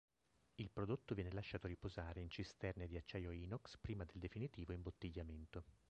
Il prodotto viene lasciato riposare in cisterne di acciaio inox, prima del definitivo imbottigliamento.